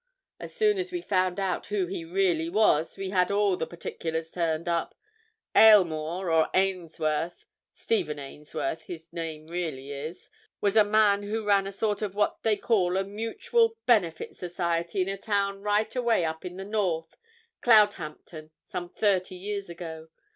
As soon as we found out who he really was, we had all the particulars turned up. Aylmore, or Ainsworth (Stephen Ainsworth his name really is) was a man who ran a sort of what they call a Mutual Benefit Society in a town right away up in the North—Cloudhampton—some thirty years ago.